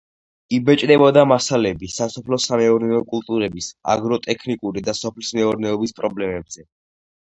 იბეჭდებოდა მასალები სასოფლო-სამეურნეო კულტურების აგროტექნიკური და სოფლის მეურნეობის პრობლემებზე.